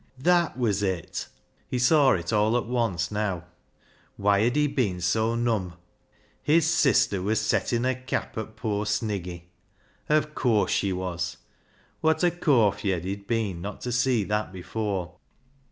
That was it ! He saw it all at once now. Why had he been so " numb "? His sister was setting Jier cap at poor Sniggy ! Of course she was ! What a " cawf yed " he'd been not to see that before.